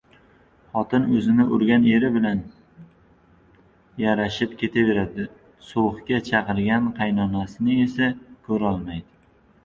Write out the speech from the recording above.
• Xotin o‘zini urgan eri bilan yarashib ketaveradi, sulhga chaqirgan qaynonasini esa ko‘rolmaydi.